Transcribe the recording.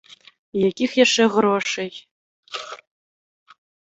І якіх яшчэ грошай!